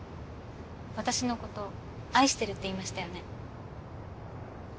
私の事愛してるって言いましたよね？